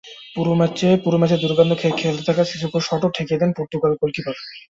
পুরো ম্যাচে দুর্দান্ত খেলতে থাকা সিসোকোর শটও ঠেকিয়ে দেন পর্তুগাল গোলকিপার।